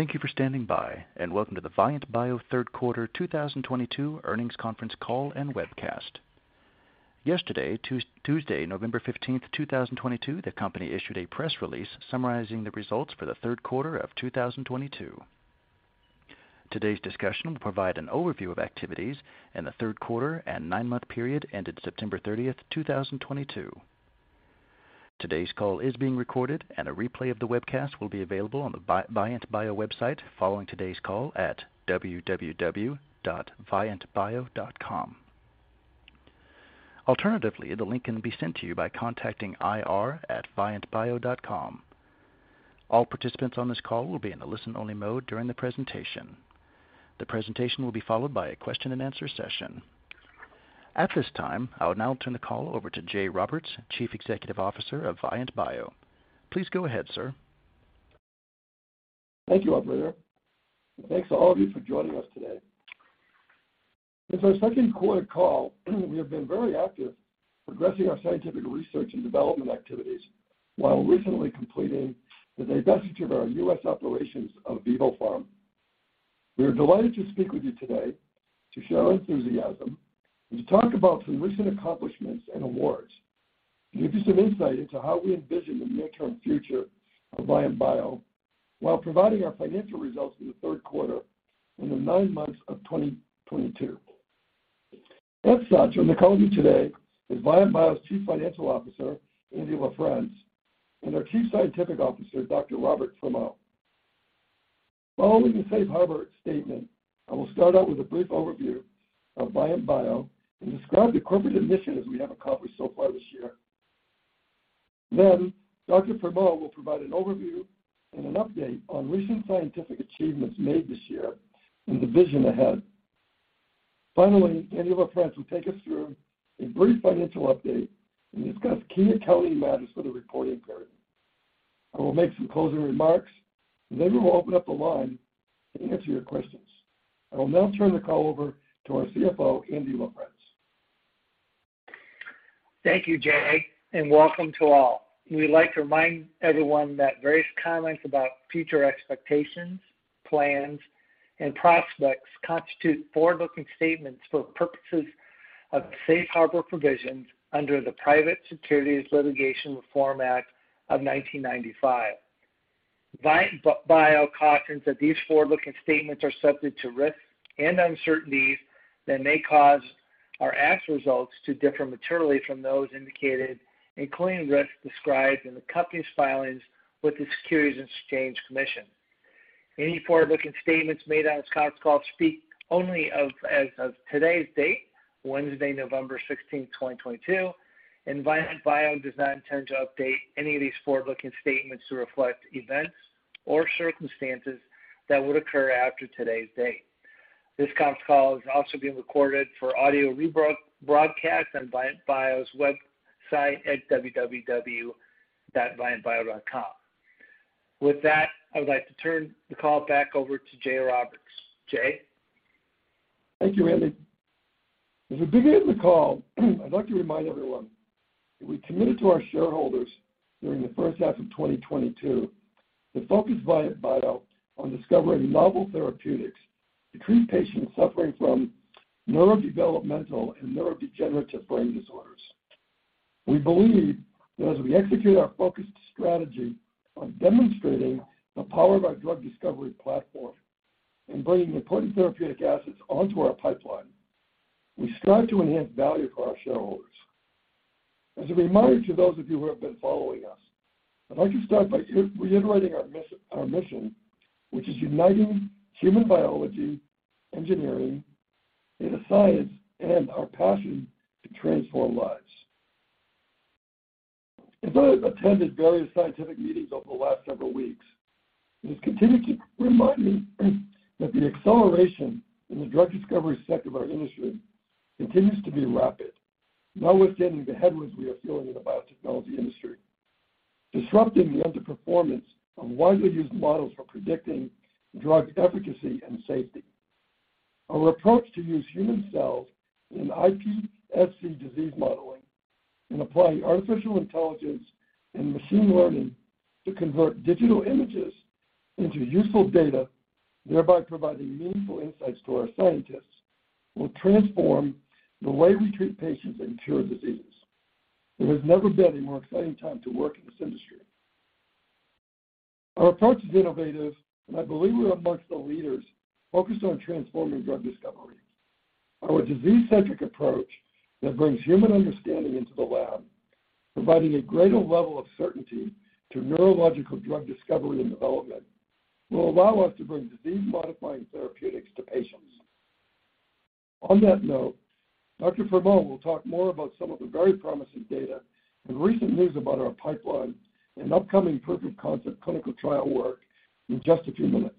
Thank you for standing by, and welcome to the Vyant Bio third quarter 2022 earnings conference call and webcast. Yesterday, Tuesday, November 15, 2022, the company issued a press release summarizing the results for the third quarter of 2022. Today's discussion will provide an overview of activities in the third quarter and nine-month period ended September 30, 2022. Today's call is being recorded, and a replay of the webcast will be available on the Vyant Bio website following today's call at www.vyantbio.com. Alternatively, the link can be sent to you by contacting ir@vyantbio.com. All participants on this call will be in a listen-only mode during the presentation. The presentation will be followed by a question-and-answer session. At this time, I will now turn the call over to Jay Roberts, Chief Executive Officer of Vyant Bio. Please go ahead, sir. Thank you, operator. Thanks to all of you for joining us today. It's our second quarter call. We have been very active progressing our scientific research and development activities while recently completing the divestiture of our U.S. operations of vivoPharm. We are delighted to speak with you today to show enthusiasm and to talk about some recent accomplishments and awards, and give you some insight into how we envision the near-term future of Vyant Bio while providing our financial results for the third quarter in the nine months of 2022. With such, on the call with you today is Vyant Bio's Chief Financial Officer, Andy LaFrence, and our Chief Scientific Officer, Dr. Robert Fremeau. Following the safe harbor statement, I will start out with a brief overview of Vyant Bio and describe the corporate initiatives we have accomplished so far this year. Then Dr. Fremeau will provide an overview and an update on recent scientific achievements made this year and the vision ahead. Finally, Andy LaFrence will take us through a brief financial update and discuss key accounting matters for the reporting period. I will make some closing remarks, and then we will open up the line and answer your questions. I will now turn the call over to our CFO, Andy LaFrence. Thank you, Jay, and welcome to all. We'd like to remind everyone that various comments about future expectations, plans, and prospects constitute forward-looking statements for purposes of safe harbor provisions under the Private Securities Litigation Reform Act of 1995. Vyant Bio cautions that these forward-looking statements are subject to risks and uncertainties that may cause our actual results to differ materially from those indicated, including risks described in the company's filings with the Securities and Exchange Commission. Any forward-looking statements made on this conference call speak only as of today's date, Wednesday, November 16, 2022, and Vyant Bio does not intend to update any of these forward-looking statements to reflect events or circumstances that would occur after today's date. This conference call is also being recorded for audio rebroadcast on Vyant Bio's website at www.vyantbio.com. With that, I would like to turn the call back over to Jay Roberts. Jay? Thank you, Andy. As we begin the call, I'd like to remind everyone that we committed to our shareholders during the first half of 2022 to focus Vyant Bio on discovering novel therapeutics to treat patients suffering from neurodevelopmental and neurodegenerative brain disorders. We believe that as we execute our focused strategy on demonstrating the power of our drug discovery platform and bringing important therapeutic assets onto our pipeline, we start to enhance value for our shareholders. As a reminder to those of you who have been following us, I'd like to start by reiterating our mission, which is uniting human biology, engineering, and the science and our passion to transform lives. As I attended various scientific meetings over the last several weeks, it has continued to remind me that the acceleration in the drug discovery sector of our industry continues to be rapid, notwithstanding the headwinds we are feeling in the biotechnology industry, disrupting the underperformance on widely used models for predicting drug efficacy and safety. Our approach to use human cells in iPSC disease modeling and applying artificial intelligence and machine learning to convert digital images into useful data, thereby providing meaningful insights to our scientists, will transform the way we treat patients and cure diseases. There has never been a more exciting time to work in this industry. Our approach is innovative, and I believe we're among the leaders focused on transforming drug discovery. Our disease-centric approach that brings human understanding into the lab, providing a greater level of certainty to neurological drug discovery and development, will allow us to bring disease-modifying therapeutics to patients. On that note, Dr. Fremeau will talk more about some of the very promising data and recent news about our pipeline and upcoming proof of concept clinical trial work in just a few minutes.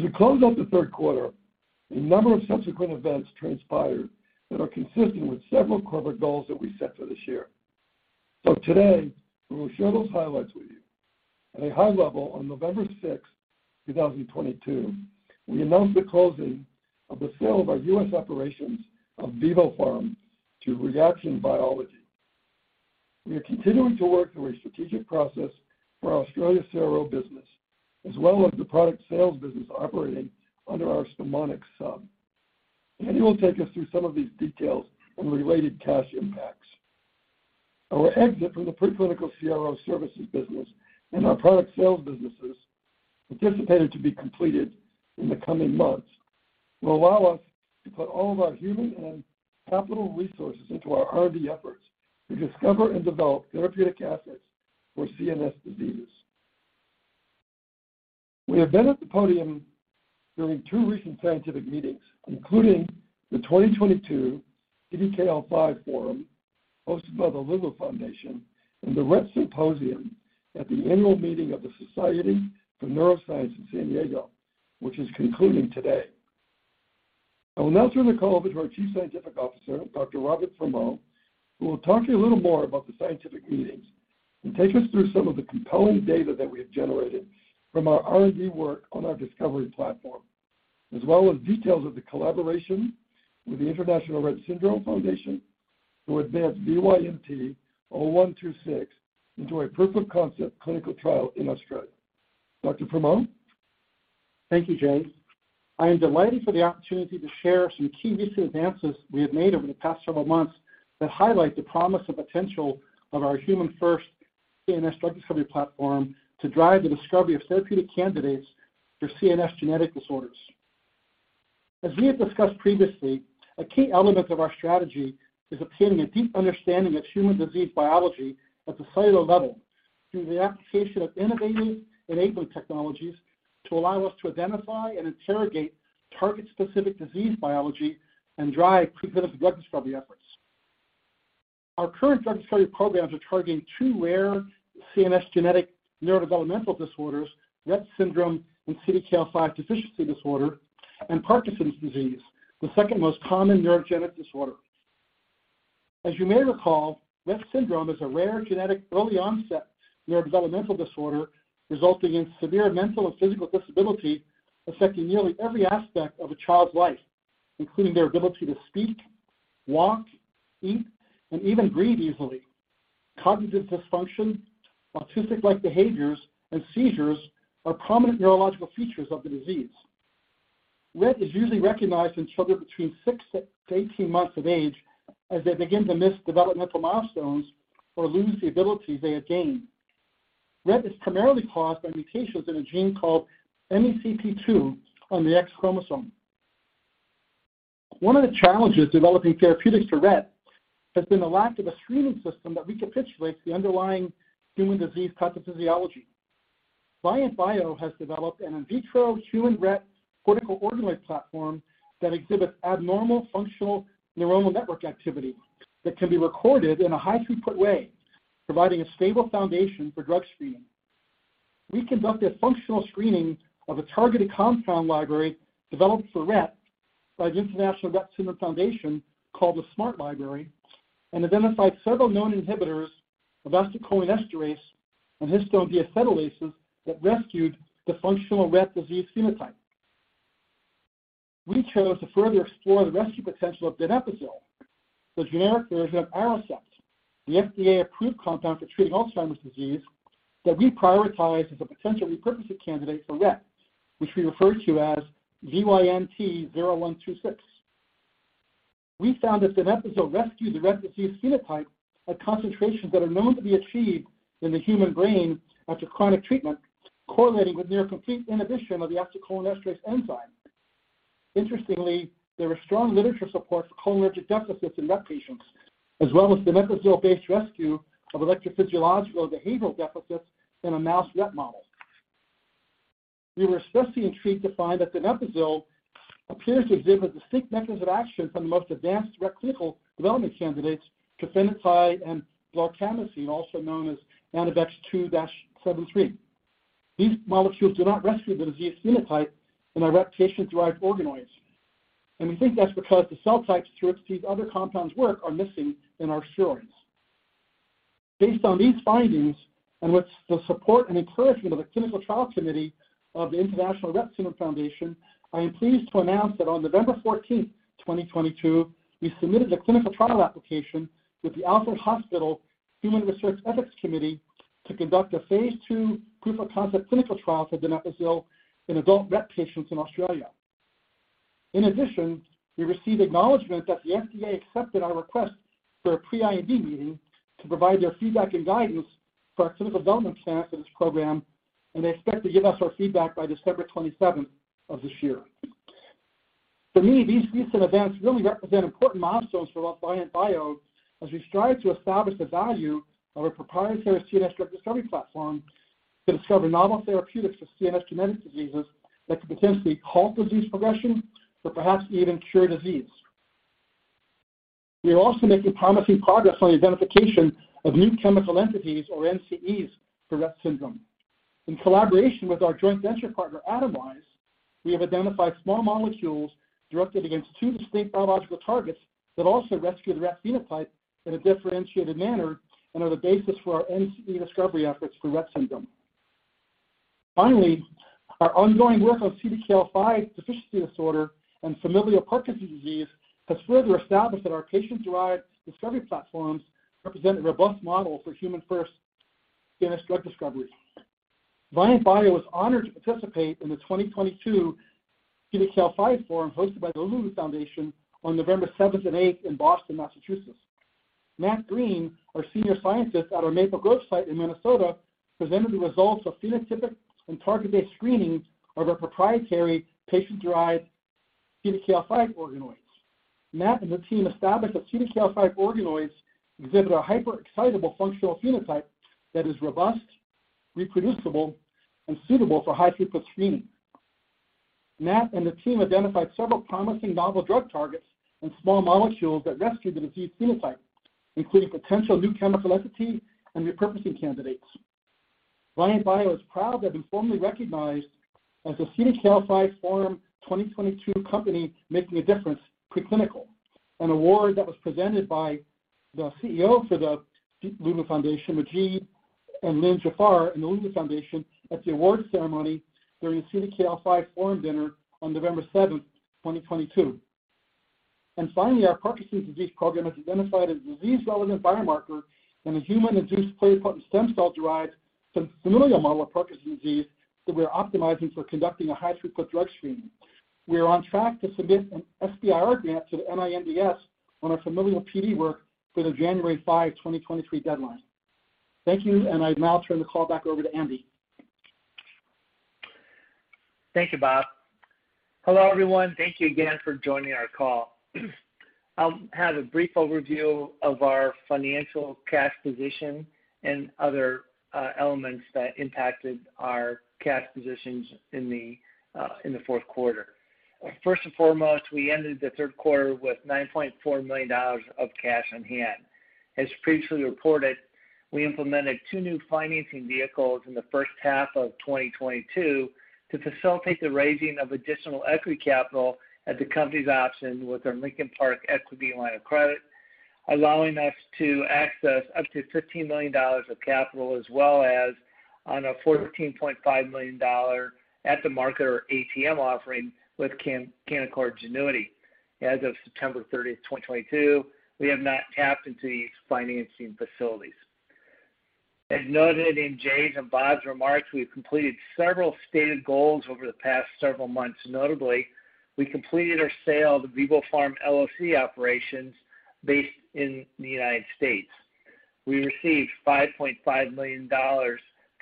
As we close out the third quarter, a number of subsequent events transpired that are consistent with several corporate goals that we set for this year. Today, we will share those highlights with you. At a high level, on November 6, 2022, we announced the closing of the sale of our U.S. operations of vivoPharm to Reaction Biology. We are continuing to work through a strategic process for our Australia CRO business, as well as the product sales business operating under our StemoniX hub. Danny will take us through some of these details and related cash impacts. Our exit from the pre-clinical CRO services business and our product sales businesses, anticipated to be completed in the coming months, will allow us to put all of our human and capital resources into our R&D efforts to discover and develop therapeutic assets for CNS diseases. We have been at the podium during two recent scientific meetings, including the 2022 CDKL5 Forum hosted by the Loulou Foundation and the Rett Symposium at the annual meeting of the Society for Neuroscience in San Diego, which is concluding today. I will now turn the call over to our Chief Scientific Officer, Dr. Robert Fremeau, who will talk to you a little more about the scientific meetings and take us through some of the compelling data that we have generated from our R&D work on our discovery platform, as well as details of the collaboration with the International Rett Syndrome Foundation to advance VYNT-0126 into a proof of concept clinical trial in Australia. Dr. Fremeau. Thank you, Jay. I am delighted for the opportunity to share some key recent advances we have made over the past several months that highlight the promise and potential of our human first CNS drug discovery platform to drive the discovery of therapeutic candidates for CNS genetic disorders. As we have discussed previously, a key element of our strategy is obtaining a deep understanding of human disease biology at the cellular level through the application of innovative enabling technologies to allow us to identify and interrogate target specific disease biology and drive pre-competitive drug discovery efforts. Our current drug discovery programs are targeting two rare CNS genetic neurodevelopmental disorders, Rett syndrome and CDKL5 Deficiency Disorder, and Parkinson's disease, the second most common neurogenic disorder. As you may recall, Rett syndrome is a rare genetic early onset neurodevelopmental disorder resulting in severe mental and physical disability affecting nearly every aspect of a child's life, including their ability to speak, walk, eat, and even breathe easily. Cognitive dysfunction, autistic-like behaviors, and seizures are prominent neurological features of the disease. Rett is usually recognized in children between 6-18 months of age as they begin to miss developmental milestones or lose the abilities they have gained. Rett is primarily caused by mutations in a gene called MECP2 on the X chromosome. One of the challenges developing therapeutics for Rett has been the lack of a screening system that recapitulates the underlying human disease pathophysiology. Vyant Bio has developed an in vitro human Rett cortical organoid platform that exhibits abnormal functional neuronal network activity that can be recorded in a high-throughput way, providing a stable foundation for drug screening. We conducted functional screening of a targeted compound library developed for Rett by the International Rett Syndrome Foundation called the SMART Library, and identified several known inhibitors of acetylcholinesterase and histone deacetylases that rescued the functional Rett disease phenotype. We chose to further explore the rescue potential of donepezil, the generic version of Aricept, the FDA-approved compound for treating Alzheimer's disease that we prioritize as a potential repurposing candidate for Rett, which we refer to as VYNT-0126. We found that donepezil rescues the Rett disease phenotype at concentrations that are known to be achieved in the human brain after chronic treatment, correlating with near complete inhibition of the acetylcholinesterase enzyme. Interestingly, there is strong literature support for cholinergic deficits in Rett patients, as well as donepezil-based rescue of electrophysiological behavioral deficits in a mouse Rett model. We were especially intrigued to find that donepezil appears to exhibit distinct mechanisms of action from the most advanced Rett clinical development candidates, trofinetide and blarcamesine, also known as ANAVEX 2-73. These molecules do not rescue the disease phenotype in our Rett patient-derived organoids, and we think that's because the cell types to which these other compounds work are missing in our spheroids. Based on these findings and with the support and encouragement of the clinical trial committee of the International Rett Syndrome Foundation, I am pleased to announce that on November 14, 2022, we submitted a clinical trial application with the Alfred Hospital Human Research Ethics Committee to conduct a phase two proof of concept clinical trial for donepezil in adult Rett patients in Australia. In addition, we received acknowledgement that the FDA accepted our request for a pre-IND meeting to provide their feedback and guidance for our clinical development plans for this program, and they expect to give us our feedback by December 27 of this year. For me, these recent events really represent important milestones for us at Vyant Bio as we strive to establish the value of our proprietary CNS drug discovery platform to discover novel therapeutics for CNS genetic diseases that could potentially halt disease progression or perhaps even cure disease. We are also making promising progress on the identification of new chemical entities or NCEs for Rett syndrome. In collaboration with our joint venture partner, Atomwise, we have identified small molecules directed against two distinct biological targets that also rescue the Rett phenotype in a differentiated manner and are the basis for our NCE discovery efforts for Rett syndrome. Finally, our ongoing work on CDKL5 Deficiency Disorder and familial Parkinson's disease has further established that our patient-derived discovery platforms represent a robust model for human first finished drug discovery. Vyant Bio was honored to participate in the 2022 CDKL5 Forum hosted by the Loulou Foundation on November seventh and eighth in Boston, Massachusetts. Matt Green, our Senior Scientist at our Maple Grove site in Minnesota, presented the results of phenotypic and target-based screening of our proprietary patient-derived CDKL5 organoids. Matt and the team established that CDKL5 organoids exhibit a hyperexcitable functional phenotype that is robust, reproducible, and suitable for high-throughput screening. Matt and the team identified several promising novel drug targets and small molecules that rescue the disease phenotype, including potential new chemical entity and repurposing candidates. Vyant Bio is proud to have been formally recognized as a CDKL5 Forum 2022 Company Making a Difference Preclinical, an award that was presented by the CEO for the Loulou Foundation, Majid and Lynn Jafar and the Loulou Foundation at the award ceremony during the CDKL5 Forum dinner on November 7, 2022. Finally, our Parkinson's disease program has identified a disease-relevant biomarker in the human induced pluripotent stem cell-derived familial model of Parkinson's disease that we're optimizing for conducting a high-throughput drug screening. We are on track to submit an SBIR grant to the NINDS on our familial PD work for the January 5, 2023 deadline. Thank you, and I now turn the call back over to Andy. Thank you, Bob. Hello, everyone. Thank you again for joining our call. I'll have a brief overview of our financial cash position and other elements that impacted our cash positions in the fourth quarter. First and foremost, we ended the third quarter with $9.4 million of cash on hand. As previously reported, we implemented two new financing vehicles in the first half of 2022 to facilitate the raising of additional equity capital at the company's option with our Lincoln Park equity line of credit, allowing us to access up to $15 million of capital, as well as a $14.5 million at the market or ATM offering with Canaccord Genuity. As of September 30, 2022, we have not tapped into these financing facilities. As noted in Jay's and Bob's remarks, we've completed several stated goals over the past several months. Notably, we completed our sale of the vivoPharm LLC operations based in the United States. We received $5.5 million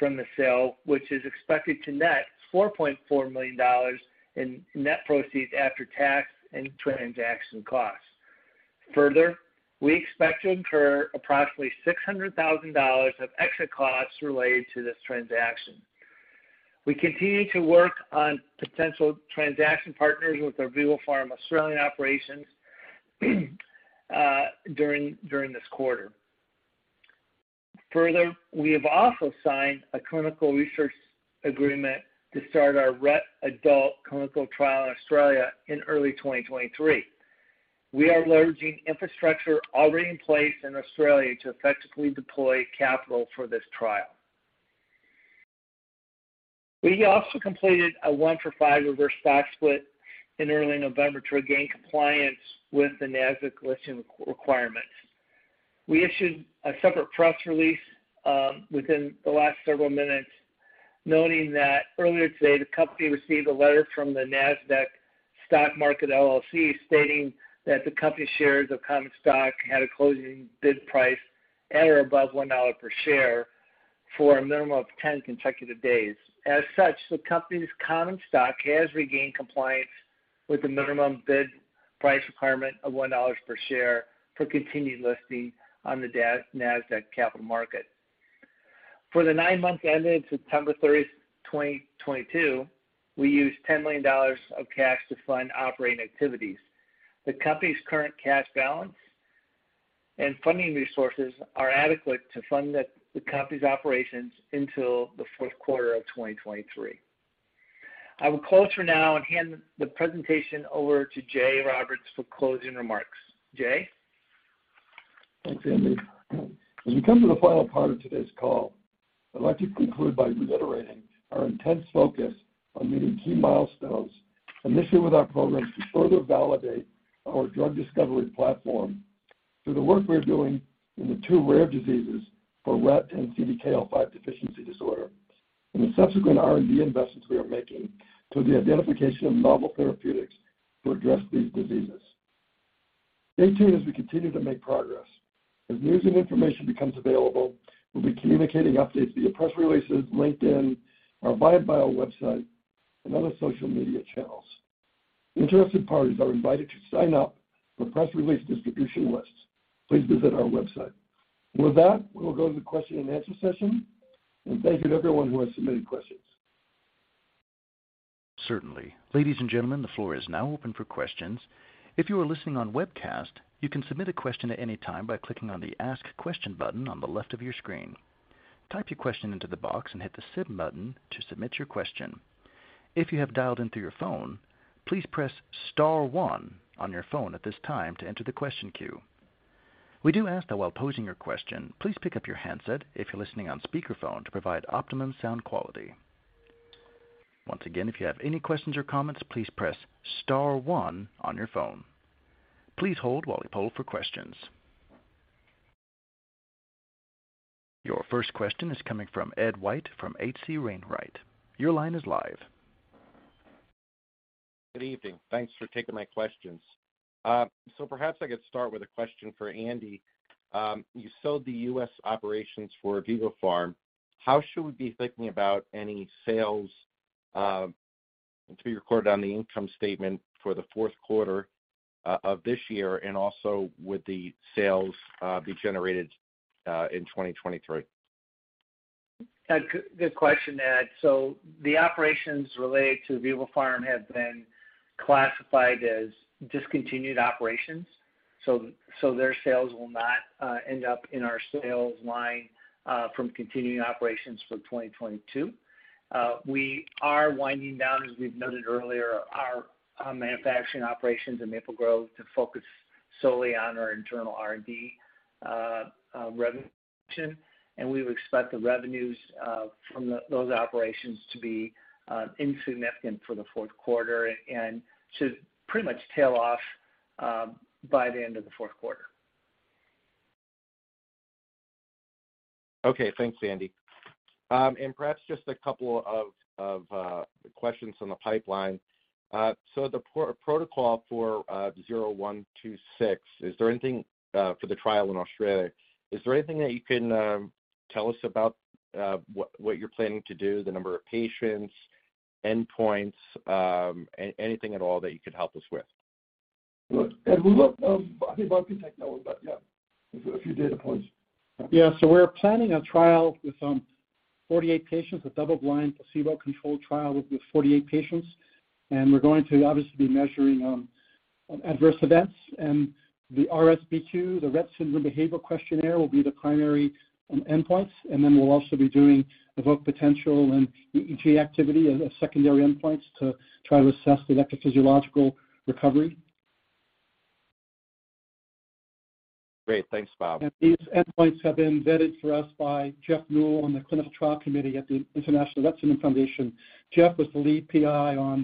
from the sale, which is expected to net $4.4 million in net proceeds after tax and transaction costs. Further, we expect to incur approximately $600 thousand of exit costs related to this transaction. We continue to work on potential transaction partners with our vivoPharm Australian operations during this quarter. Further, we have also signed a clinical research agreement to start our Rett adult clinical trial in Australia in early 2023. We are leveraging infrastructure already in place in Australia to effectively deploy capital for this trial. We also completed a one-for-five reverse stock split in early November to regain compliance with the Nasdaq listing requirements. We issued a separate press release within the last several minutes, noting that earlier today, the company received a letter from the Nasdaq Stock Market LLC stating that the company's shares of common stock had a closing bid price at or above $1 per share for a minimum of 10 consecutive days. As such, the company's common stock has regained compliance with the minimum bid price requirement of $1 per share for continued listing on the Nasdaq Capital Market. For the nine months ended September 30, 2022, we used $10 million of cash to fund operating activities. The company's current cash balance and funding resources are adequate to fund the company's operations until the fourth quarter of 2023. I will close for now and hand the presentation over to Jay Roberts for closing remarks. Jay? Thanks, Andy. As we come to the final part of today's call, I'd like to conclude by reiterating our intense focus on meeting key milestones, initially with our programs to further validate our drug discovery platform through the work we are doing in the two rare diseases for Rett and CDKL5 Deficiency Disorder, and the subsequent R&D investments we are making to the identification of novel therapeutics to address these diseases. Stay tuned as we continue to make progress. As news and information becomes available, we'll be communicating updates via press releases, LinkedIn, our Vyant Bio website, and other social media channels. Interested parties are invited to sign up for press release distribution lists. Please visit our website. With that, we will go to the question and answer session, and thank you to everyone who has submitted questions. Certainly. Ladies and gentlemen, the floor is now open for questions. If you are listening on webcast, you can submit a question at any time by clicking on the Ask Question button on the left of your screen. Type your question into the box and hit the submit button to submit your question. If you have dialed in through your phone, please press star one on your phone at this time to enter the question queue. We do ask that while posing your question, please pick up your handset if you're listening on speakerphone to provide optimum sound quality. Once again, if you have any questions or comments, please press star one on your phone. Please hold while we poll for questions. Your first question is coming from Ed White from H.C. Wainwright. Your line is live. Good evening. Thanks for taking my questions. Perhaps I could start with a question for Andy. You sold the U.S. operations of vivoPharm. How should we be thinking about any sales to be recorded on the income statement for the fourth quarter of this year, and also would the sales be generated in 2023? Good question, Ed. The operations related to vivoPharm have been classified as discontinued operations. Their sales will not end up in our sales line from continuing operations for 2022. We are winding down, as we've noted earlier, our manufacturing operations in Maple Grove to focus solely on our internal R&D revenue. We would expect the revenues from those operations to be insignificant for the fourth quarter and to pretty much tail off by the end of the fourth quarter. Okay. Thanks, Andy. Perhaps just a couple of questions on the pipeline. The protocol for VYNT-0126, is there anything for the trial in Australia? Is there anything that you can tell us about what you're planning to do, the number of patients, endpoints, anything at all that you could help us with? Look, Ed, we will, I think Bob Fremeau know about, yeah, a few data points. Yeah. We're planning a trial with 48 patients, a double-blind, placebo-controlled trial with the 48 patients. We're going to obviously be measuring adverse events. The RSBQ, the Rett Syndrome Behavior Questionnaire, will be the primary endpoints. We'll also be doing evoked potential and EEG activity as secondary endpoints to try to assess the electrophysiological recovery. Great. Thanks, Bob. These endpoints have been vetted for us by Jeffrey Neul and the Clinical Trial Committee at the International Rett Syndrome Foundation. Jeff was the lead PI on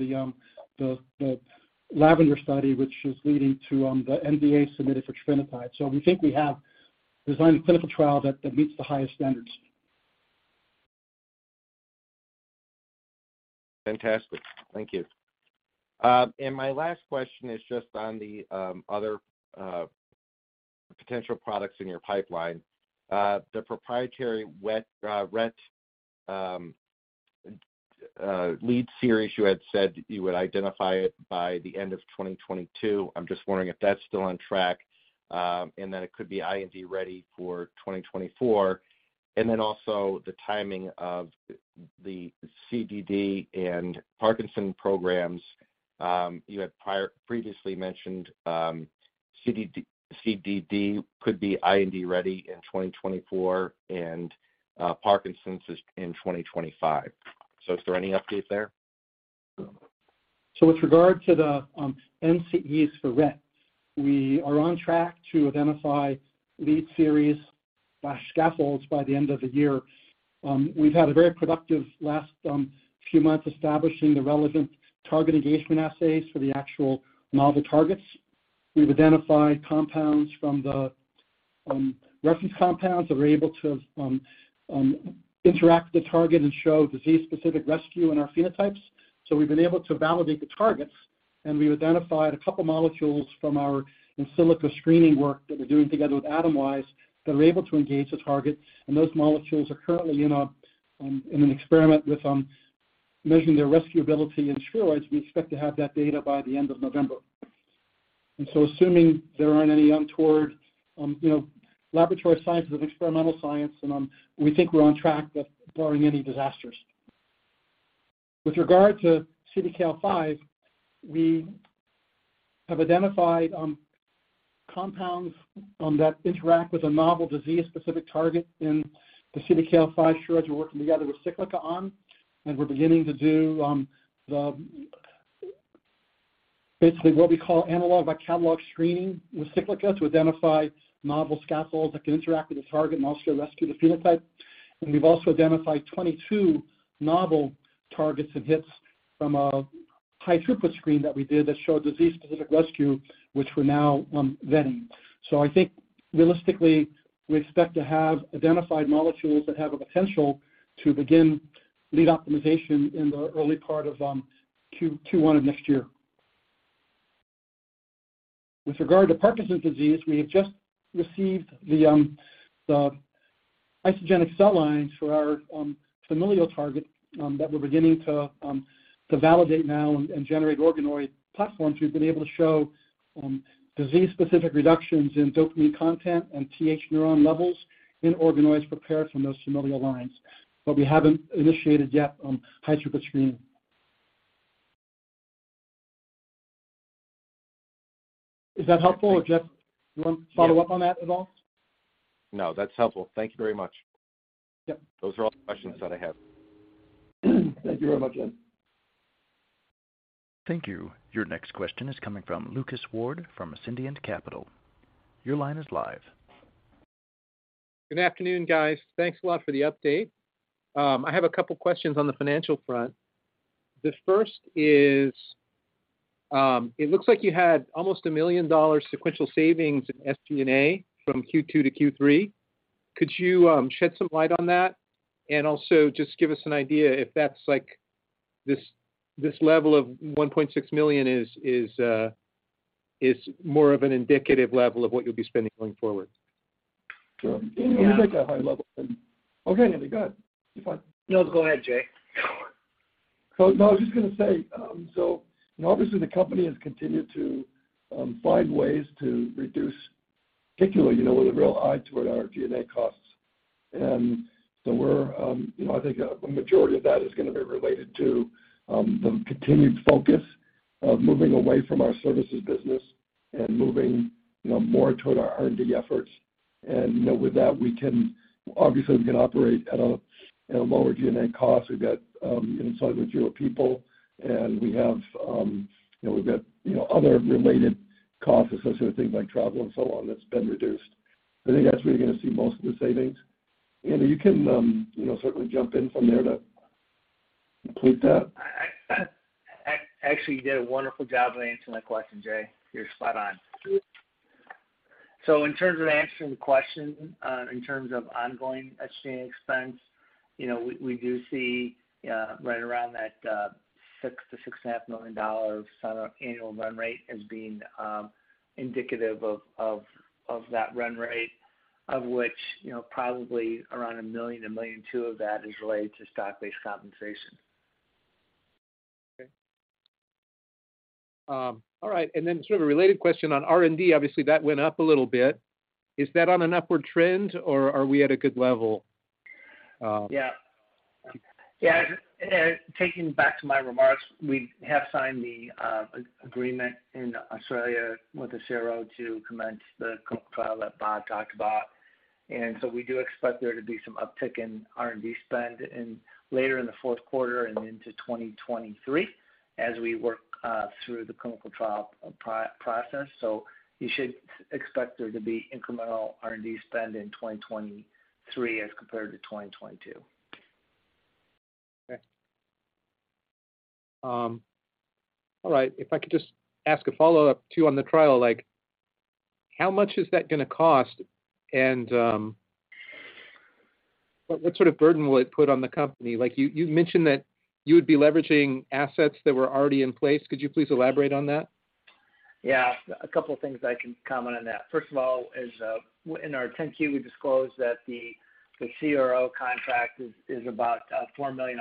the LAVENDER study, which is leading to the NDA submitted for trofinetide. We think we have designed a clinical trial that meets the highest standards. Fantastic. Thank you. My last question is just on the other potential products in your pipeline. The proprietary Rett lead series, you had said you would identify it by the end of 2022. I'm just wondering if that's still on track, and that it could be IND ready for 2024. Also the timing of the CDD and Parkinson's programs. You had previously mentioned, CDD could be IND ready in 2024 and, Parkinson's is in 2025. Is there any update there? With regard to the NCEs for Rett, we are on track to identify lead series by scaffolds by the end of the year. We've had a very productive last few months establishing the relevant target engagement assays for the actual novel targets. We've identified compounds from the reference compounds that were able to interact with the target and show disease-specific rescue in our phenotypes. We've been able to validate the targets, and we've identified a couple molecules from our in silico screening work that we're doing together with Atomwise that are able to engage the target. Those molecules are currently in an experiment measuring their rescue ability in spheroids. We expect to have that data by the end of November. Assuming there aren't any untoward, you know, laboratory science or experimental science and, we think we're on track barring any disasters. With regard to CDKL5, we have identified compounds that interact with a novel disease-specific target in the CDKL5 shRNAs we're working together with Cyclica on, and we're beginning to do basically what we call analog by catalog screening with Cyclica to identify novel scaffolds that can interact with the target and also rescue the phenotype. We've also identified 22 novel targets and hits from a high-throughput screen that we did that showed disease-specific rescue, which we're now vetting. I think realistically, we expect to have identified molecules that have a potential to begin lead optimization in the early part of Q1 of next year. With regard to Parkinson's disease, we have just received the isogenic cell lines for our familial target that we're beginning to validate now and generate organoid platforms. We've been able to show disease-specific reductions in dopamine content and TH neuron levels in organoids prepared from those familial lines. We haven't initiated yet high-throughput screening. Is that helpful? Or Jeff, you want to follow up on that at all? No, that's helpful. Thank you very much. Yep. Those are all the questions that I have. Thank you very much, Ed. Thank you. Your next question is coming from Lucas Ward from Ascendiant Capital. Your line is live. Good afternoon, guys. Thanks a lot for the update. I have a couple questions on the financial front. The first is, it looks like you had almost $1 million sequential savings in SG&A from Q2 to Q3. Could you shed some light on that? Also just give us an idea if that's like this level of $1.6 million is more of an indicative level of what you'll be spending going forward. Sure. Yeah. Let me take that high level then. Okay, Andy, go ahead. You're fine. No, go ahead, Jay. No, I was just gonna say, so obviously the company has continued to find ways to reduce, particularly, you know, with a real eye toward our G&A costs. We're, you know, I think a majority of that is gonna be related to the continued focus of moving away from our services business and moving, you know, more toward our R&D efforts. You know, with that, obviously we can operate at a lower G&A cost. We've got, you know, slightly fewer people and we have, you know, we've got, you know, other related costs associated with things like travel and so on that's been reduced. I think that's where you're gonna see most of the savings. Andy, you can, you know, certainly jump in from there to complete that. Actually, you did a wonderful job of answering my question, Jay. You're spot on. In terms of answering the question, in terms of ongoing SG&A expense, we do see right around that $6 million-$6.5 million annual run rate as being indicative of that run rate of which probably around $1 million-$1.2 million of that is related to stock-based compensation. Okay. All right. Sort of a related question on R&D, obviously, that went up a little bit. Is that on an upward trend or are we at a good level? Going back to my remarks, we have signed the agreement in Australia with the CRO to commence the clinical trial that Bob talked about. We do expect there to be some uptick in R&D spend later in the fourth quarter and into 2023 as we work through the clinical trial process. You should expect there to be incremental R&D spend in 2023 as compared to 2022. Okay. All right. If I could just ask a follow-up too on the trial, like, how much is that gonna cost? What sort of burden will it put on the company? Like you mentioned that you would be leveraging assets that were already in place. Could you please elaborate on that? Yeah. A couple of things I can comment on that. First of all is in our 10-Q, we disclosed that the CRO contract is about 4 million.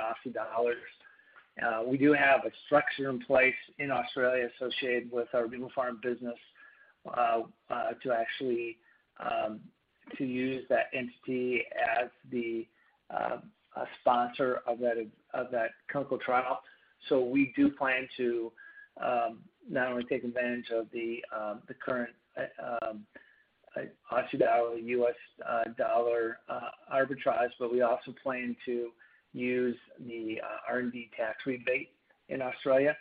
We do have a structure in place in Australia associated with our vivoPharm business to actually use that entity as a sponsor of that clinical trial. We do plan to not only take advantage of the current Aussie dollar, U.S. dollar arbitrage, but we also plan to use the R&D tax rebate in Australia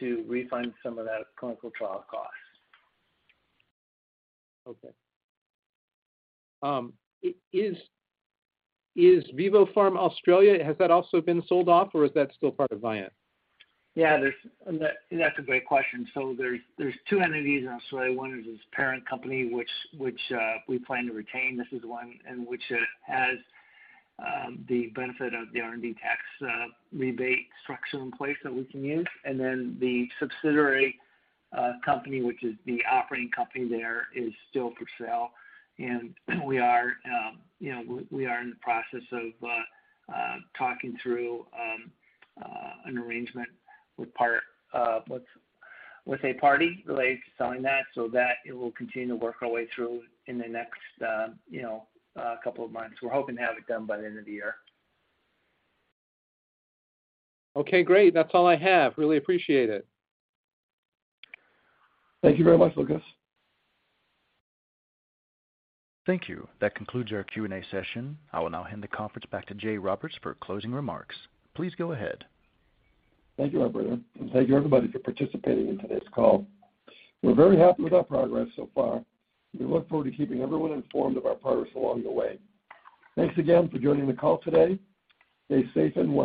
to refund some of that clinical trial cost. Okay. Is vivoPharm Australia, has that also been sold off or is that still part of Vyant? That's a great question. There's two entities in Australia. One is this parent company which we plan to retain. This is one and which has the benefit of the R&D tax rebate structure in place that we can use. The subsidiary company, which is the operating company there, is still for sale. We are you know in the process of talking through an arrangement with a party related to selling that, so that it will continue to work our way through in the next you know couple of months. We're hoping to have it done by the end of the year. Okay, great. That's all I have. Really appreciate it. Thank you very much, Lucas. Thank you. That concludes our Q&A session. I will now hand the conference back to Jay Roberts for closing remarks. Please go ahead. Thank you, operator, and thank you everybody for participating in today's call. We're very happy with our progress so far. We look forward to keeping everyone informed of our progress along the way. Thanks again for joining the call today. Stay safe and well.